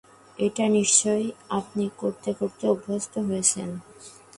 এটা নিশ্চয়ই আপনি করতে করতে অভ্যস্ত হয়েছেন…